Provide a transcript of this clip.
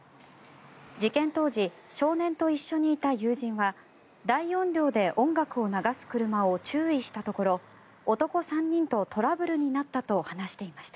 事件当時少年と一緒にいた友人は大音量で音楽を流す車を注意したところ男３人とトラブルになったと話していました。